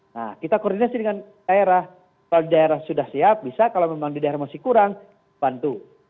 nah kita koordinasi dengan daerah kalau daerah sudah siap bisa kalau memang di daerah masih kurang bantu